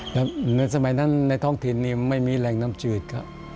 แล้วในสมัยนั้นในท้องถิ่นนี้ไม่มีแหล่งน้ำจืดครับ